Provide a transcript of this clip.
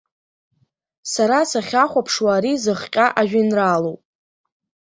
Сара сахьахәаԥшуа ари зыхҟьа ажәеинраалоуп.